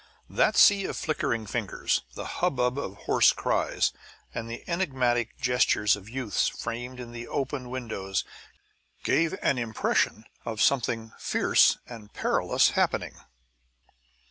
That sea of flickering fingers, the hubbub of hoarse cries, and the enigmatic gestures of youths framed in the open windows gave an impression of something fierce and perilous happening.